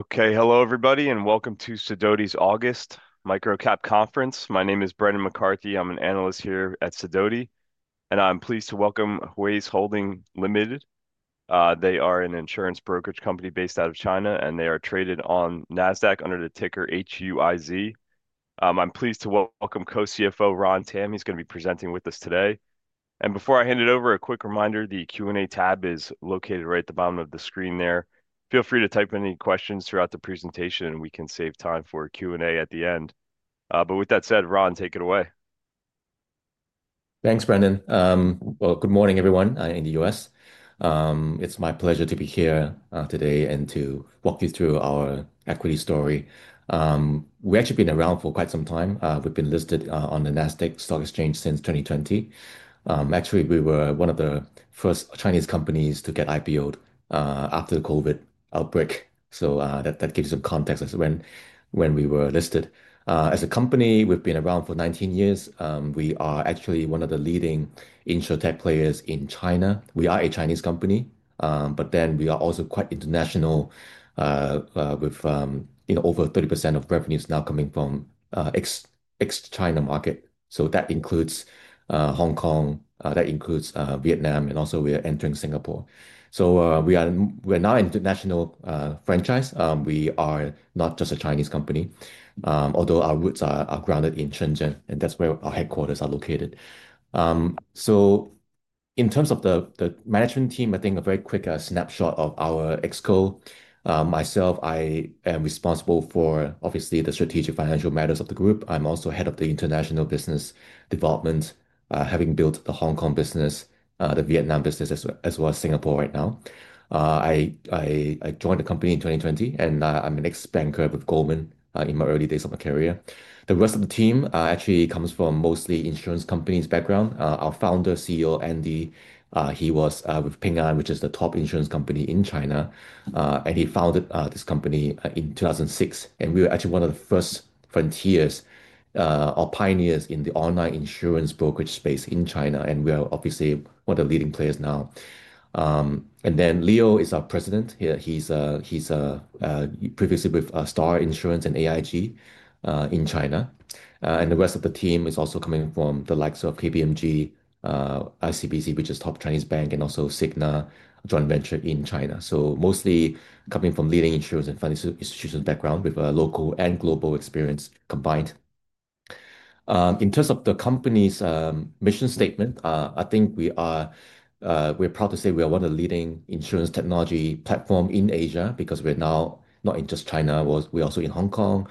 Okay, hello everybody, and welcome to Sidoti's August Micro Cap Conference. My name is Brendan McCarthy. I'm an analyst here at Sidoti, and I'm pleased to welcome Huize Holding Limited. They are an insurance brokerage company based out of China, and they are traded on Nasdaq under the ticker HUIZ. I'm pleased to welcome Co-CFO Ron Tam. He's going to be presenting with us today. Before I hand it over, a quick reminder: the Q&A tab is located right at the bottom of the screen there. Feel free to type in any questions throughout the presentation, and we can save time for Q&A at the end. With that said, Ron, take it away. Thanks, Brendan. Good morning everyone in the U.S. It's my pleasure to be here today and to walk you through our equity story. We've actually been around for quite some time. We've been listed on the Nasdaq Stock Exchange since 2020. Actually, we were one of the first Chinese companies to get IPO'd after the COVID outbreak. That gives you context as to when we were listed. As a company, we've been around for 19 years. We are actually one of the leading InsurTech players in China. We are a Chinese company, but we are also quite international, with over 30% of revenues now coming from the ex-China market. That includes Hong Kong, that includes Vietnam, and also we are entering Singapore. We are now an international franchise. We are not just a Chinese company, although our roots are grounded in Tianjin, and that's where our headquarters are located. In terms of the management team, I think a very quick snapshot of our exco. Myself, I am responsible for obviously the strategic financial matters of the group. I'm also head of the International Business Development, having built the Hong Kong business, the Vietnam business, as well as Singapore right now. I joined the company in 2020, and I'm an ex-banker with Goldman Sachs in my early days of my career. The rest of the team actually comes from mostly insurance companies background. Our founder, CEO Andy, he was with Ping An, which is the top insurance company in China, and he founded this company in 2006. We were actually one of the first frontiers, or pioneers in the online insurance brokerage space in China, and we are obviously one of the leading players now. Leo is our President. He's previously with Star Insurance and AIG in China. The rest of the team is also coming from the likes of KPMG, ICBC, which is a top Chinese bank, and also Cigna joint venture in China. Mostly coming from leading insurance and financial institutions background with a local and global experience combined. In terms of the company's mission statement, I think we are proud to say we are one of the leading insurance technology platforms in Asia because we're now not in just China, we're also in Hong Kong,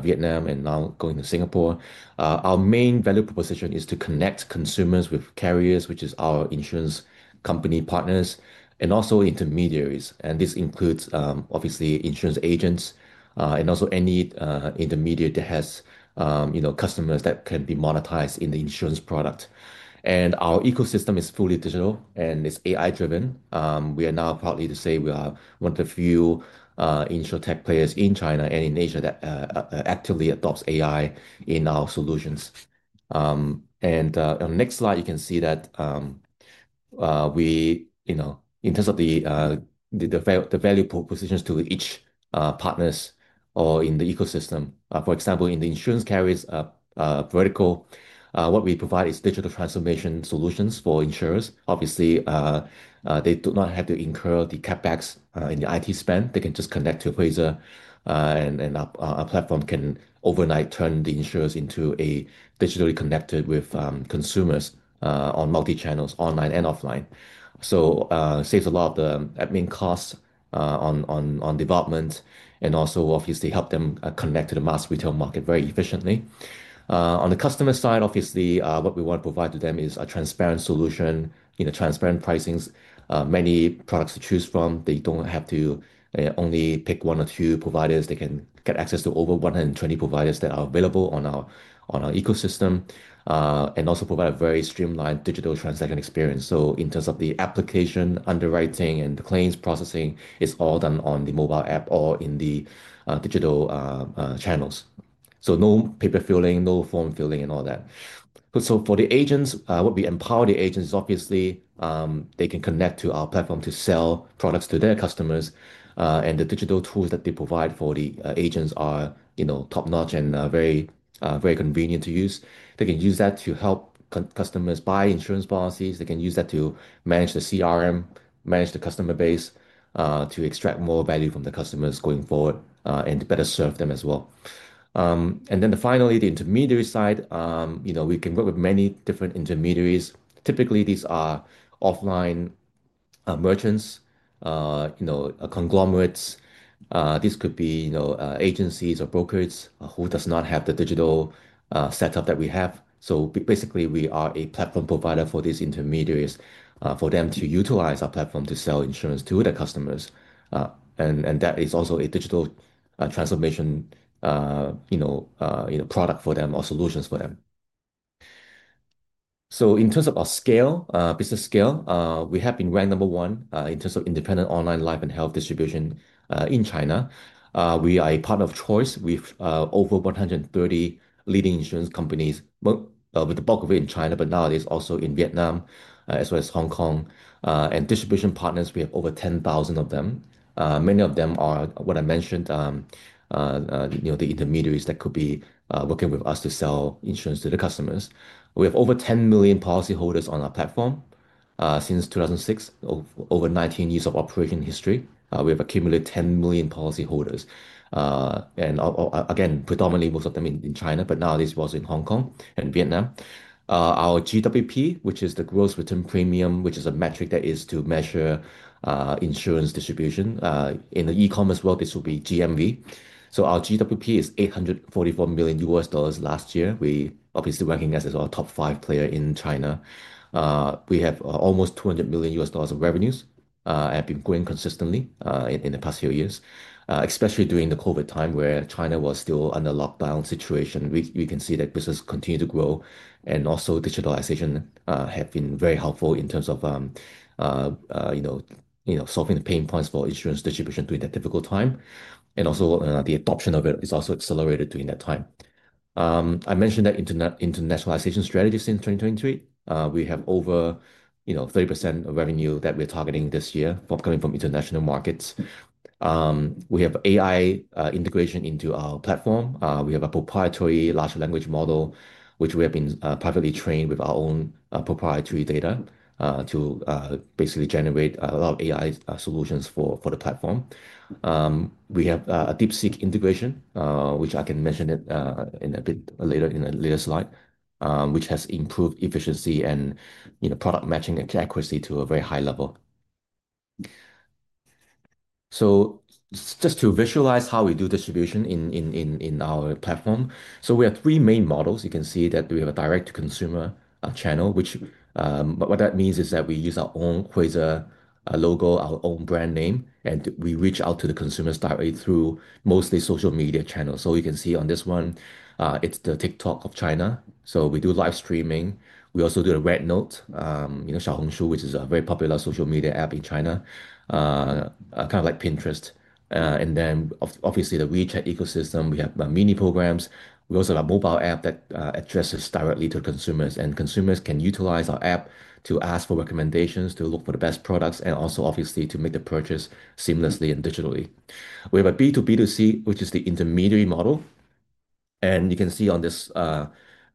Vietnam, and now going to Singapore. Our main value proposition is to connect consumers with carriers, which is our insurance company partners, and also intermediaries. This includes obviously insurance agents, and also any intermediary that has, you know, customers that can be monetized in the insurance product. Our ecosystem is fully digital and it's AI-driven. We are now proud to say we are one of the few InsurTech players in China and in Asia that actively adopts AI in our solutions. On the next slide, you can see that we, you know, in terms of the value propositions to each partner in the ecosystem. For example, in the insurance carriers vertical, what we provide is digital transformation solutions for insurers. Obviously, they do not have to incur the CapEx in the IT spend. They can just connect to an appraiser, and our platform can overnight turn the insurers into digitally connected with consumers on multi-channels, online and offline. This saves a lot of the admin costs on development and also obviously helps them connect to the mass retail market very efficiently. On the customer side, obviously, what we want to provide to them is a transparent solution and transparent pricing. Many products to choose from. They don't have to only pick one or two providers. They can get access to over 120 providers that are available on our ecosystem, and also provide a very streamlined digital transaction experience. In terms of the application, underwriting, and the claims processing, it's all done on the mobile app or in the digital channels. No paper filling, no form filling, and all that. For the agents, what we empower the agents is obviously, they can connect to our platform to sell products to their customers. The digital tools that they provide for the agents are, you know, top-notch and very, very convenient to use. They can use that to help customers buy insurance policies. They can use that to manage the CRM, manage the customer base, to extract more value from the customers going forward, and better serve them as well. Finally, the intermediary side, you know, we can work with many different intermediaries. Typically, these are offline merchants, you know, conglomerates. This could be, you know, agencies or brokers who do not have the digital setup that we have. Basically, we are a platform provider for these intermediaries, for them to utilize our platform to sell insurance to their customers. That is also a digital transformation product for them or solutions for them. In terms of our business scale, we have been ranked number one in terms of independent online life and health distribution in China. We are a partner of choice with over 130 leading insurance companies, with the bulk of it in China, but nowadays also in Vietnam as well as Hong Kong. For distribution partners, we have over 10,000 of them. Many of them are, as I mentioned, the intermediaries that could be working with us to sell insurance to the customers. We have over 10 million policyholders on our platform. Since 2006, over 19 years of operation history, we have accumulated 10 million policyholders, and again, predominantly most of them in China, but nowadays we're also in Hong Kong and Vietnam. Our GWP, which is the gross written premium, is a metric that is used to measure insurance distribution. In the e-commerce world, this would be GMV. Our GWP is $844 million last year. We are obviously recognized as a top five player in China. We have almost $200 million of revenues and have been growing consistently in the past few years, especially during the COVID time where China was still under lockdown situation. We can see that business continued to grow, and also digitalization has been very helpful in terms of solving the pain points for insurance distribution during that difficult time. The adoption of it also accelerated during that time. I mentioned the internationalization strategy since 2023. We have over 30% of revenue that we're targeting this year coming from international markets. We have AI integration into our platform. We have a proprietary large language model, which we have been privately training with our own proprietary data to basically generate a lot of AI solutions for the platform. We have a deep-seek integration, which I can mention in a later slide, which has improved efficiency and product matching accuracy to a very high level. To visualize how we do distribution on our platform, we have three main models. We have a direct-to-consumer channel, which means we use our own Quasar logo, our own brand name, and we reach out to the consumers directly through mostly social media channels. On this one, it's the TikTok of China. We do live streaming. We also do a RedNote, you know, Xiaohongshu, which is a very popular social media app in China, kind of like Pinterest. Obviously, the WeChat ecosystem, we have mini programs. We also have a mobile app that addresses directly to consumers, and consumers can utilize our app to ask for recommendations, to look for the best products, and also obviously to make the purchase seamlessly and digitally. We have a B2B2C, which is the intermediary model. You can see on this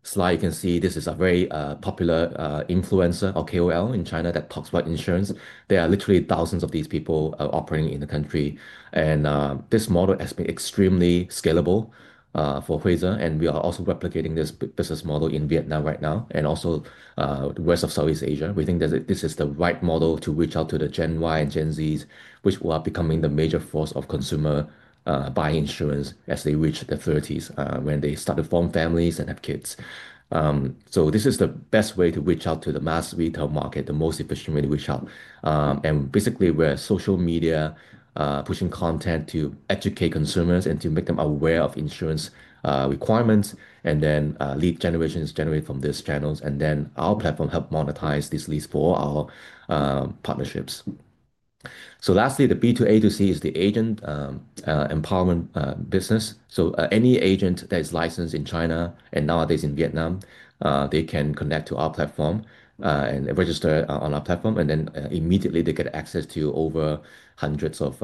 slide, you can see this is a very popular influencer or KOL in China that talks about insurance. There are literally thousands of these people operating in the country. This model has been extremely scalable for Huize, and we are also replicating this business model in Vietnam right now, and also the rest of Southeast Asia. We think that this is the right model to reach out to the Gen Y and Gen Zs, which are becoming the major force of consumer buying insurance as they reach their 30s, when they start to form families and have kids. This is the best way to reach out to the mass retail market, the most efficient way to reach out. Basically, we're social media, pushing content to educate consumers and to make them aware of insurance requirements, and then lead generations generate from these channels. Our platform helps monetize these leads for our partnerships. Lastly, the B2A2C is the agent empowerment business. Any agent that is licensed in China, and nowadays in Vietnam, can connect to our platform, and register on our platform, and then immediately they get access to over hundreds of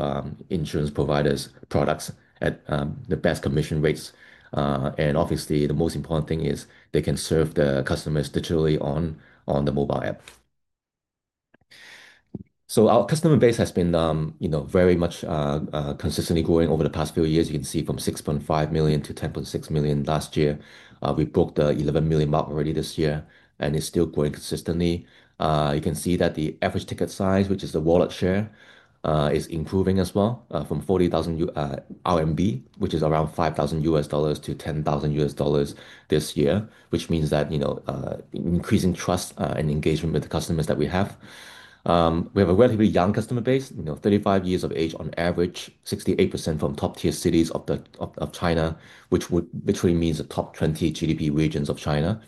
insurance providers' products at the best commission rates. Obviously, the most important thing is they can serve the customers digitally on the mobile app. Our customer base has been very much consistently growing over the past few years. You can see from 6.5 million to 10.6 million last year. We broke the 11 million mark already this year, and it's still growing consistently. You can see that the average ticket size, which is the wallet share, is improving as well, from 40,000 RMB, which is around $5,000-$10,000 this year, which means that, you know, increasing trust and engagement with the customers that we have. We have a relatively young customer base, 35 years of age on average, 68% from top-tier cities of China, which would literally mean the top 20 GDP regions of China.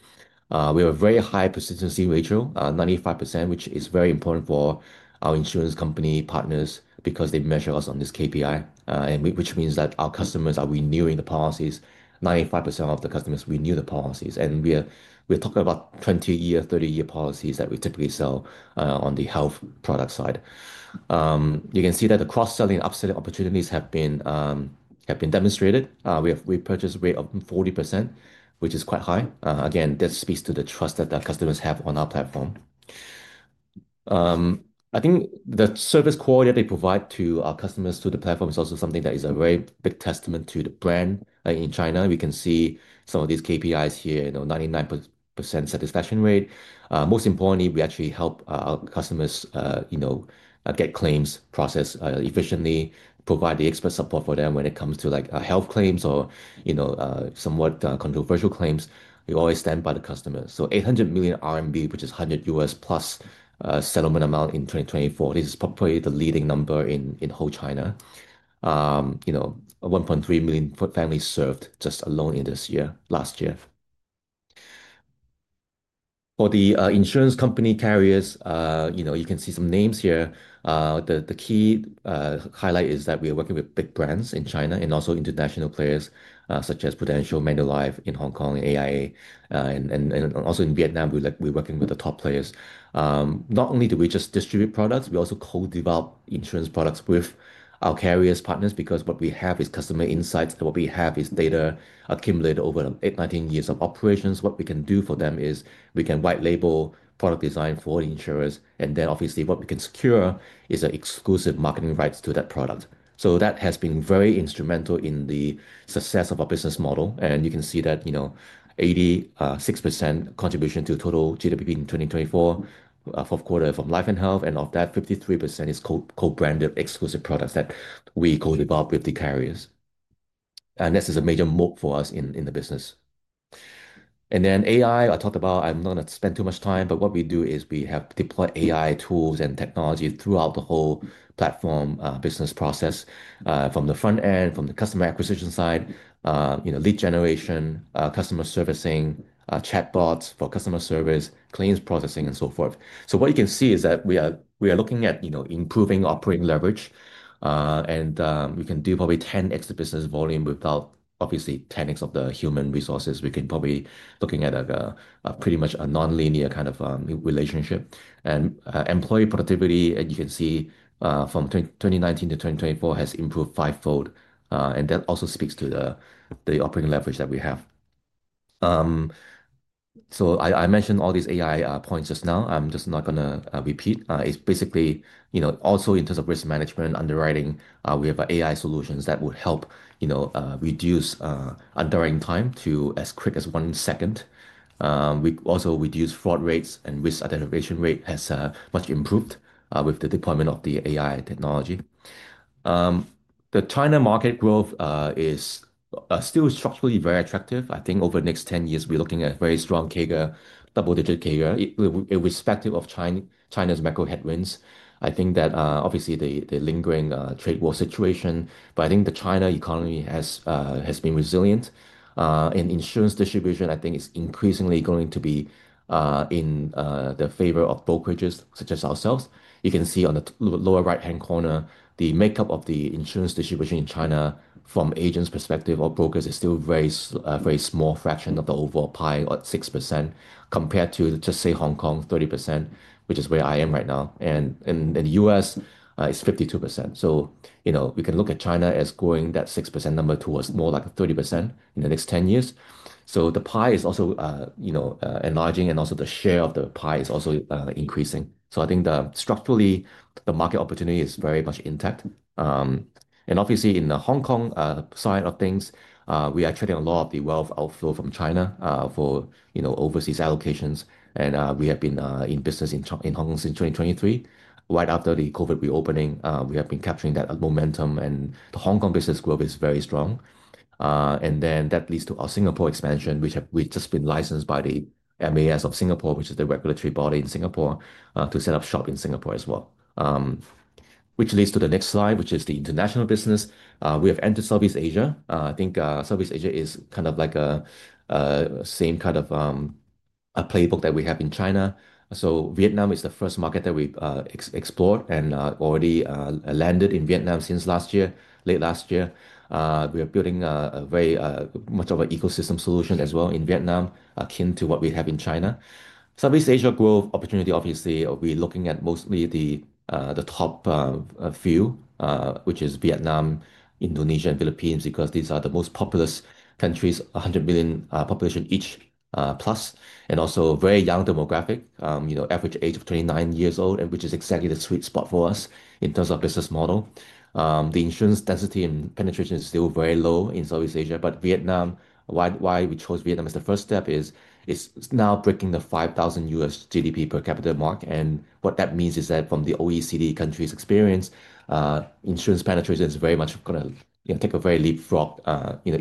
We have a very high persistency ratio, 95%, which is very important for our insurance company partners because they measure us on this KPI, which means that our customers are renewing the policies. 95% of the customers renew the policies, and we are talking about 20-year, 30-year policies that we typically sell on the health product side. You can see that the cross-selling and upselling opportunities have been demonstrated. We have a purchase rate of 40%, which is quite high. Again, this speaks to the trust that our customers have on our platform. I think the service quality that they provide to our customers through the platform is also something that is a very big testament to the brand in China. We can see some of these KPIs here, you know, 99% satisfaction rate. Most importantly, we actually help our customers get claims processed efficiently, provide the expert support for them when it comes to like health claims or somewhat controversial claims. We always stand by the customer. 800 million RMB, which is $100 million plus settlement amount in 2024. This is probably the leading number in whole China. 1.3 million families served just alone in this year, last year. For the insurance company carriers, you can see some names here. The key highlight is that we are working with big brands in China and also international players, such as Prudential, Manulife in Hong Kong, AIA, and also in Vietnam, we're working with the top players. Not only do we just distribute products, we also co-develop insurance products with our carriers' partners because what we have is customer insights, and what we have is data accumulated over 18 years of operations. What we can do for them is we can white label product design for the insurers, and then obviously what we can secure is exclusive marketing rights to that product. That has been very instrumental in the success of our business model. You can see that 86% contribution to total GWP in 2024, fourth quarter from life and health, and of that 53% is co-branded exclusive products that we co-develop with the carriers. This is a major move for us in the business. AI, I talked about, I'm not going to spend too much time, but what we do is we have deployed AI tools and technology throughout the whole platform business process, from the front end, from the customer acquisition side, lead generation, customer servicing, chatbots for customer service, claims processing, and so forth. You can see that we are looking at improving operating leverage, and we can do probably 10x the business volume without obviously 10x of the human resources. We can probably look at a pretty much a non-linear kind of relationship. Employee productivity, and you can see from 2019 to 2024, has improved five-fold. That also speaks to the operating leverage that we have. I mentioned all these AI points just now. I'm just not going to repeat. It's basically, also in terms of risk management, underwriting, we have AI solutions that will help reduce a downing time to as quick as one second. We also reduce fraud rates, and risk identification rate has much improved with the deployment of the AI technology. The China market growth is still structurally very attractive. I think over the next 10 years, we're looking at a very strong CAGR, double-digit CAGR, irrespective of China's macro headwinds. I think that obviously the lingering trade war situation, but I think the China economy has been resilient. Insurance distribution, I think, is increasingly going to be in the favor of brokerages such as ourselves. You can see on the lower right-hand corner, the makeup of the insurance distribution in China from agents' perspective or brokers is still a very very small fraction of the overall pie, or 6%, compared to just say Hong Kong, 30%, which is where I am right now. In the U.S., it's 52%. You can look at China as growing that 6% number towards more like 30% in the next 10 years. The pie is also enlarging, and also the share of the pie is also increasing. I think structurally, the market opportunity is very much intact. Obviously in the Hong Kong side of things, we are trading a lot of the wealth outflow from China, for overseas allocations. We have been in business in Hong Kong since 2023. Right after the COVID reopening, we have been capturing that momentum, and the Hong Kong business growth is very strong. That leads to our Singapore expansion, which is that we have just been licensed by the Monetary Authority of Singapore, which is the regulatory body in Singapore, to set up shop in Singapore as well. This leads to the next slide, which is the international business. We have entered Southeast Asia. I think Southeast Asia is kind of like the same kind of playbook that we have in China. Vietnam is the first market that we explored and already landed in Vietnam since late last year. We are building a very much of an ecosystem solution as well in Vietnam, akin to what we have in China. Southeast Asia growth opportunity, obviously, we're looking at mostly the top few, which is Vietnam, Indonesia, and Philippines, because these are the most populous countries, 100 million population each, plus, and also very young demographic, average age of 29 years old, which is exactly the sweet spot for us in terms of business model. The insurance density and penetration is still very low in Southeast Asia. Vietnam, why we chose Vietnam as the first step is it's now breaking the $5,000 U.S. GDP per capita mark. What that means is that from the OECD countries' experience, insurance penetration is very much going to take a very leapfrog in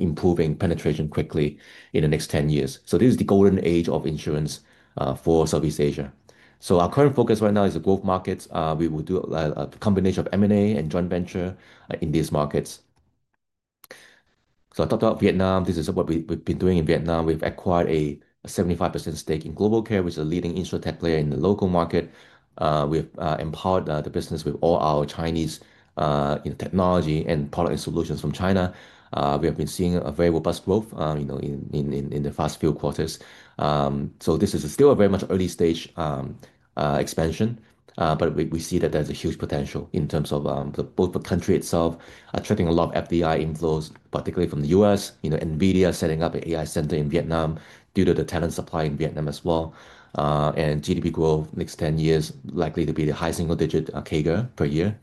improving penetration quickly in the next 10 years. This is the golden age of insurance for Southeast Asia. Our current focus right now is the growth markets. We will do a combination of M&A and joint venture in these markets. I talked about Vietnam. This is what we've been doing in Vietnam. We've acquired a 75% stake in Global Care, which is a leading InsurTech player in the local market. We've empowered the business with all our Chinese technology and product and solutions from China. We have been seeing a very robust growth in the past few quarters. This is still a very much early stage expansion, but we see that there's a huge potential in terms of both the country itself attracting a lot of FDI inflows, particularly from the U.S., NVIDIA setting up an AI center in Vietnam due to the talent supply in Vietnam as well. GDP growth next 10 years likely to be the high single-digit CAGR per year.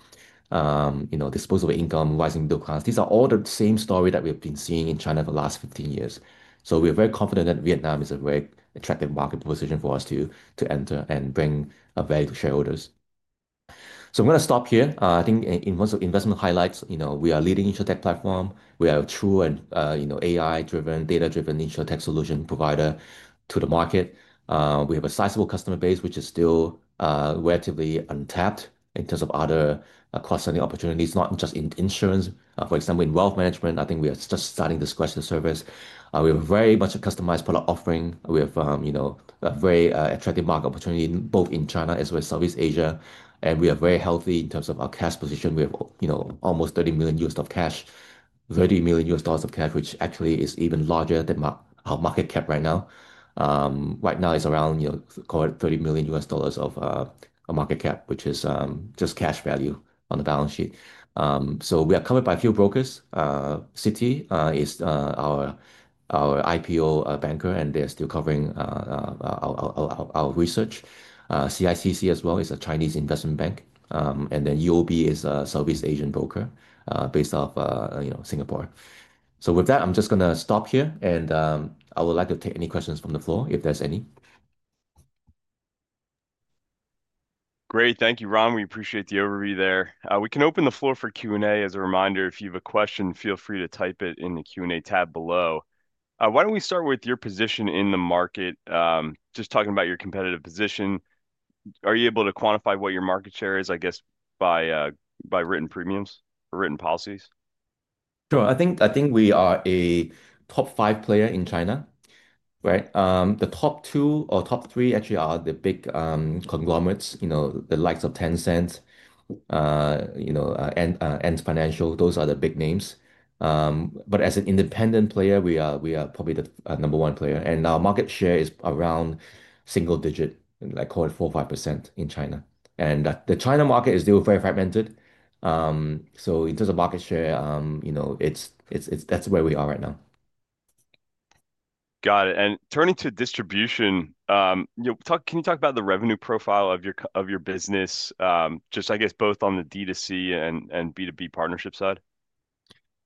Disposable income, rising deal costs, these are all the same stories that we've been seeing in China for the last 15 years. We're very confident that Vietnam is a very attractive market position for us to enter and bring value to shareholders. I'm going to stop here. I think in terms of investment highlights, we are a leading InsurTech platform. We are a true and, you know, AI-driven, data-driven InsurTech solution provider to the market. We have a sizable customer base, which is still relatively untapped in terms of other cross-selling opportunities, not just in insurance. For example, in wealth management, I think we are just starting this question service. We have very much a customized product offering. We have a very attractive market opportunity both in China as well as Southeast Asia. We are very healthy in terms of our cash position. We have almost $30 million of cash, $30 million of cash, which actually is even larger than our market cap right now. Right now it's around, you know, call it $30 million of market cap, which is just cash value on the balance sheet. We are covered by a few brokers. Citi is our IPO banker, and they're still covering our research. CICC as well is a Chinese investment bank, and then UOB is a Southeast Asian broker based out of Singapore. With that, I'm just going to stop here, and I would like to take any questions from the floor if there's any. Great, thank you, Ron. We appreciate the overview there. We can open the floor for Q&A. As a reminder, if you have a question, feel free to type it in the Q&A tab below. Why don't we start with your position in the market, just talking about your competitive position. Are you able to quantify what your market share is, I guess, by written premiums or written policies? Sure. I think we are a top five player in China, right? The top two or top three actually are the big conglomerates, you know, the likes of Tencent and Ant Financial. Those are the big names. As an independent player, we are probably the number one player, and our market share is around single-digit, like call it 4%-5% in China. The China market is still very fragmented. In terms of market share, you know, that's where we are right now. Got it. Turning to distribution, can you talk about the revenue profile of your business, just I guess both on the D2C and B2B partnership side?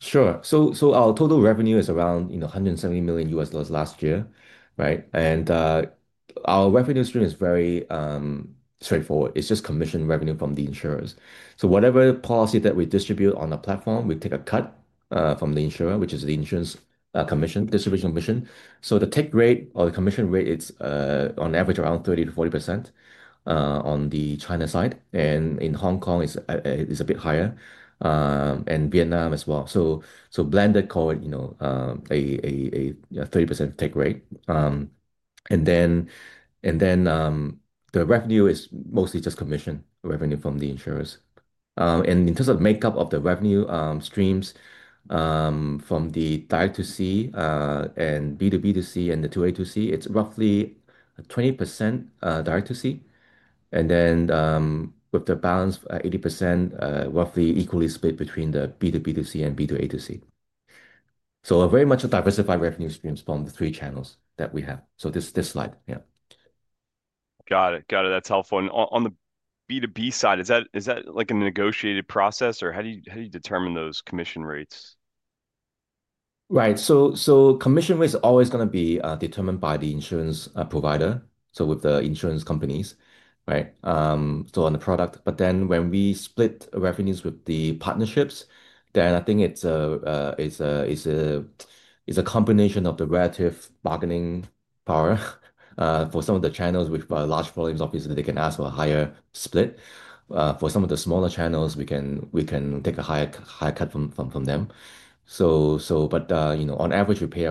Sure. Our total revenue is around $170 million last year, right? Our revenue stream is very straightforward. It's just commission revenue from the insurers. Whatever policy that we distribute on the platform, we take a cut from the insurer, which is the insurance commission, distribution commission. The take rate or the commission rate is, on average, around 30%-40% on the China side, and in Hong Kong, it's a bit higher, and Vietnam as well. Blended, call it a 30% take rate. The revenue is mostly just commission revenue from the insurers. In terms of makeup of the revenue streams, from the direct-to-C, and B2B2C and the B2A2C, it's roughly a 20% direct-to-C. The balance at 80% is roughly equally split between the B2B2C and B2A2C. A very much diversified revenue stream from the three channels that we have. This slide, yeah. Got it. That's helpful. On the B2B side, is that like a negotiated process or how do you determine those commission rates? Right. Commission rates are always going to be determined by the insurance provider, so with the insurance companies, right, on the product. When we split revenues with the partnerships, then I think it's a combination of the relative bargaining power. For some of the channels with large volumes, obviously they can ask for a higher split. For some of the smaller channels, we can take a higher cut from them. On average, we pay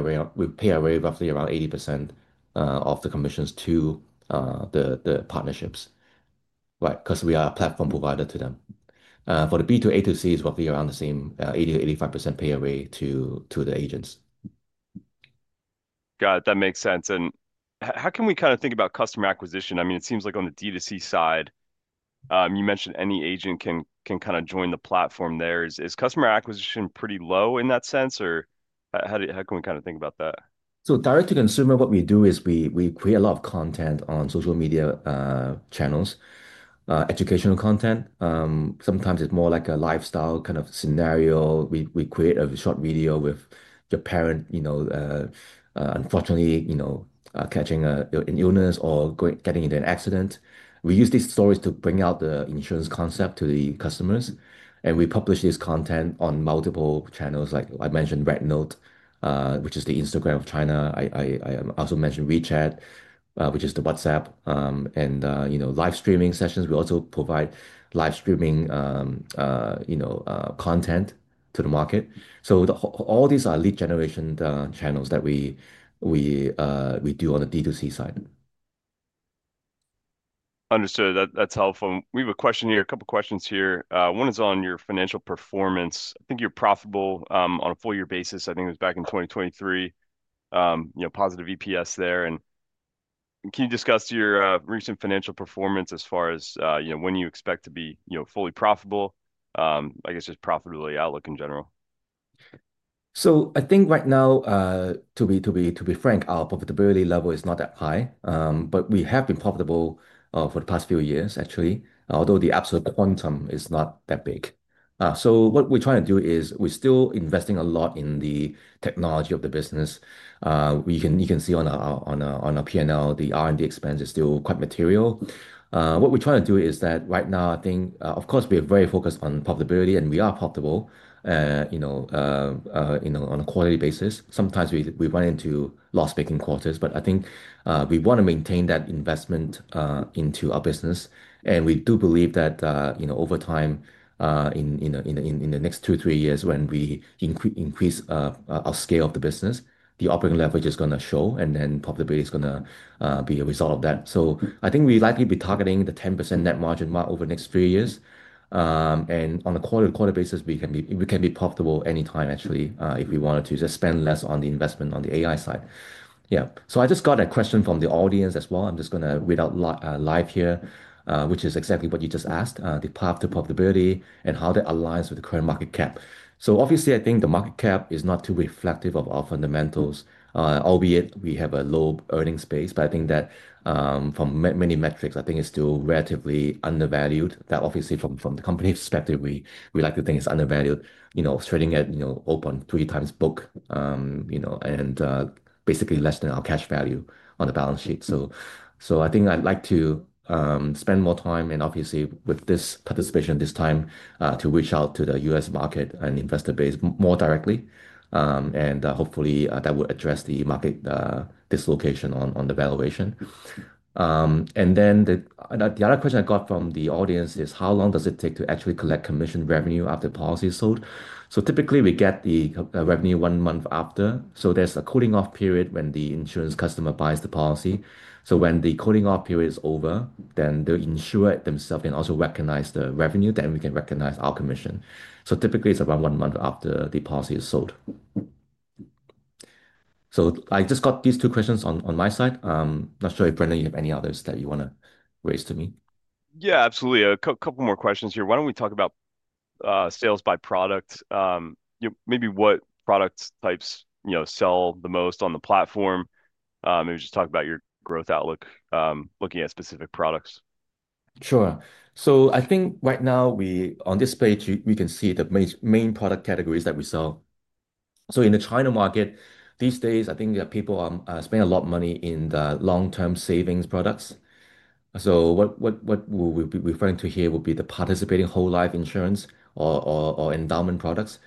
away roughly around 80% of the commissions to the partnerships, right, because we are a platform provider to them. For the B2A2C, it's roughly around the same, 80%-85% pay away to the agents. Got it. That makes sense. How can we kind of think about customer acquisition? I mean, it seems like on the D2C side, you mentioned any agent can kind of join the platform there. Is customer acquisition pretty low in that sense, or how do we kind of think about that? Direct to consumer, what we do is we create a lot of content on social media channels, educational content. Sometimes it's more like a lifestyle kind of scenario. We create a short video with the parent, you know, unfortunately, catching an illness or getting into an accident. We use these stories to bring out the insurance concept to the customers. We publish this content on multiple channels, like I mentioned, Red Note, which is the Instagram of China. I also mentioned WeChat, which is the WhatsApp, and, you know, live streaming sessions. We also provide live streaming content to the market. All these are lead generation channels that we do on the D2C side. Understood. That's helpful. We have a question here, a couple of questions here. One is on your financial performance. I think you're profitable on a full-year basis. I think it was back in 2023, you know, positive EPS there. Can you discuss your recent financial performance as far as, you know, when you expect to be, you know, fully profitable, I guess just profitability outlook in general? I think right now, to be frank, our profitability level is not that high, but we have been profitable for the past few years, actually, although the absolute quantum is not that big. What we're trying to do is we're still investing a lot in the technology of the business. You can see on our P&L, the R&D expense is still quite material. What we're trying to do is that right now, I think, of course, we're very focused on profitability, and we are profitable, you know, on a quality basis. Sometimes we run into loss-making quarters, but I think we want to maintain that investment into our business. We do believe that, over time, in the next two or three years, when we increase our scale of the business, the operating leverage is going to show, and then profitability is going to be a result of that. I think we'll likely be targeting the 10% net margin mark over the next three years. On a quarter-to-quarter basis, we can be profitable anytime, actually, if we wanted to just spend less on the investment on the AI side. I just got a question from the audience as well. I'm just going to read out live here, which is exactly what you just asked, the path to profitability and how that aligns with the current market cap. Obviously, I think the market cap is not too reflective of our fundamentals, albeit we have a low earning space, but I think that, from many metrics, I think it's still relatively undervalued. That obviously, from the company's perspective, we like to think it's undervalued, trading at, you know, open three times book, and basically less than our cash value on the balance sheet. I think I'd like to spend more time and obviously with this participation this time, to reach out to the U.S. market and investor base more directly, and hopefully, that will address the market dislocation on the valuation. The other question I got from the audience is how long does it take to actually collect commission revenue after policy is sold? Typically, we get the revenue one month after. There's a cooling-off period when the insurance customer buys the policy. When the cooling-off period is over, then the insurer themselves can also recognize the revenue, then we can recognize our commission. Typically, it's about one month after the policy is sold. I just got these two questions on my side. I'm not sure if Brendan, you have any others that you want to raise to me? Yeah, absolutely. A couple more questions here. Why don't we talk about sales by product? You know, maybe what product types, you know, sell the most on the platform? Maybe just talk about your growth outlook, looking at specific products. Sure. I think right now, we on this page, we can see the main product categories that we sell. In the China market these days, I think that people are spending a lot of money in the long-term savings products. What we'll be referring to here would be the participating whole life insurance or endowment products.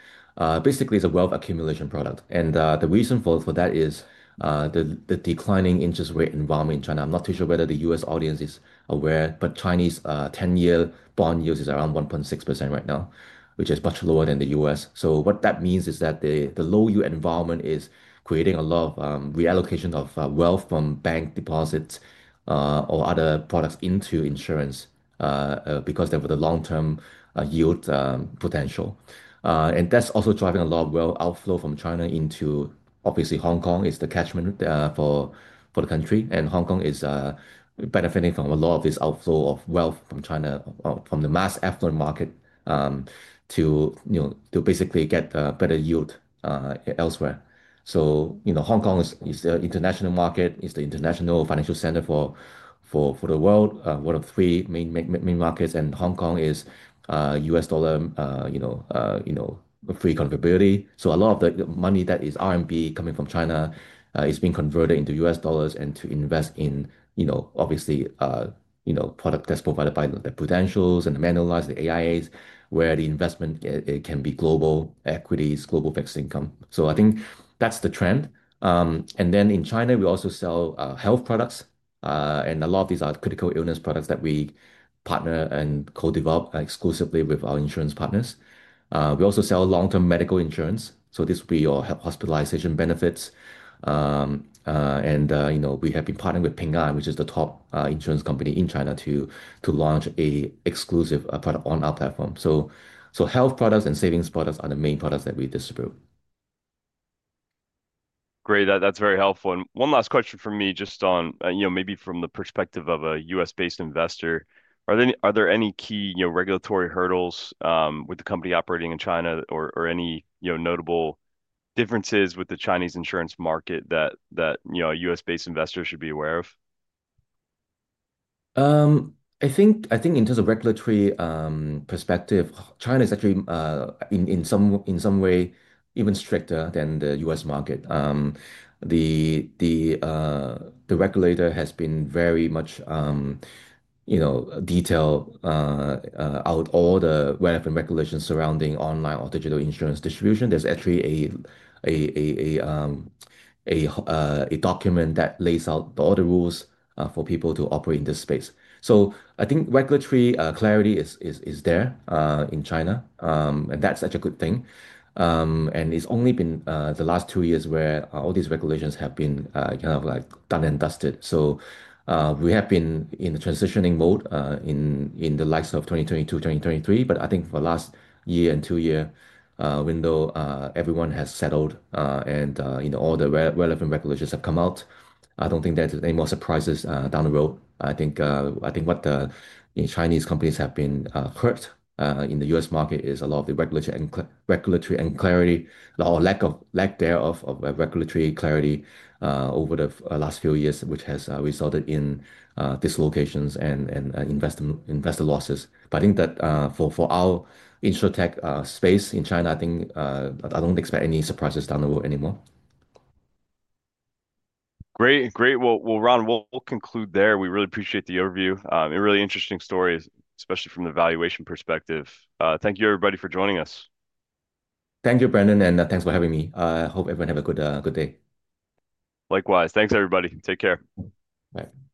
Basically, it's a wealth accumulation product. The reason for that is the declining interest rate environment in China. I'm not too sure whether the U.S. audience is aware, but Chinese 10-year bond yield is around 1.6% right now, which is much lower than the U.S. What that means is that the low yield environment is creating a lot of reallocation of wealth from bank deposits or other products into insurance, because of the long-term yield potential. That's also driving a lot of wealth outflow from China into, obviously, Hong Kong is the catchment for the country. Hong Kong is benefiting from a lot of this outflow of wealth from China, from the mass affluent market, to basically get a better yield elsewhere. Hong Kong is the international market. It's the international financial center for the world, one of three main markets. Hong Kong is U.S. dollar free convertibility. A lot of the money that is RMB coming from China is being converted into U.S. dollars and to invest in product that's provided by the Prudentials and the Manulife, the AIAs, where the investment can be global equities, global fixed income. I think that's the trend. In China, we also sell health products. A lot of these are critical illness products that we partner and co-develop exclusively with our insurance partners. We also sell long-term medical insurance. This would be your hospitalization benefits. We have been partnering with Ping An Insurance, which is the top insurance company in China, to launch an exclusive product on our platform. Health products and savings products are the main products that we distribute. Great. That's very helpful. One last question for me just on, you know, maybe from the perspective of a U.S.-based investor, are there any key, you know, regulatory hurdles with the company operating in China or any, you know, notable differences with the Chinese insurance market that, you know, a U.S.-based investor should be aware of? I think in terms of regulatory perspective, China is actually, in some way, even stricter than the U.S. market. The regulator has been very much detailed, out all the relevant regulations surrounding online or digital insurance distribution. There's actually a document that lays out all the rules for people to operate in this space. I think regulatory clarity is there in China, and that's such a good thing. It's only been the last two years where all these regulations have been kind of like done and dusted. We have been in a transitioning mode in the likes of 2022, 2023. I think for the last year and two years window, everyone has settled, and all the relevant regulations have come out. I don't think there's any more surprises down the road. I think what the Chinese companies have been hurt in the U.S. market is a lot of the regulatory and clarity, or lack thereof of regulatory clarity, over the last few years, which has resulted in dislocations and investor losses. I think that for our InsurTech space in China, I don't expect any surprises down the road anymore. Great. Ron, we'll conclude there. We really appreciate the overview. A really interesting story, especially from the valuation perspective. Thank you, everybody, for joining us. Thank you, Brendan, and thanks for having me. I hope everyone has a good day. Likewise. Thanks, everybody. Take care. Bye.